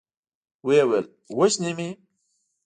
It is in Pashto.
ويې ويل: وژني مې؟